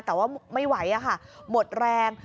แต่ว่าไม่ไหวค่ะหมดแรง